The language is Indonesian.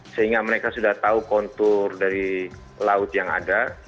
sehingga mereka sudah tahu kontur dari laut yang ada